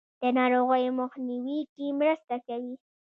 د ناروغیو په مخنیوي کې مرسته کوي.